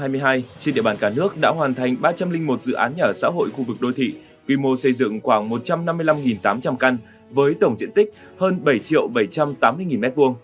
tính đến hết năm hai nghìn hai mươi hai trên địa bàn cả nước đã hoàn thành ba trăm linh một dự án nhà ở xã hội khu vực đô thị quy mô xây dựng khoảng một trăm năm mươi năm tám trăm linh căn với tổng diện tích hơn bảy bảy trăm tám mươi m hai